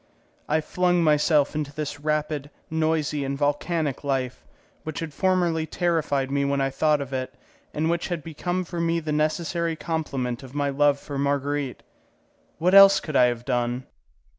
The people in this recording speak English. I flung myself into this rapid, noisy, and volcanic life, which had formerly terrified me when I thought of it, and which had become for me the necessary complement of my love for Marguerite. What else could I have done?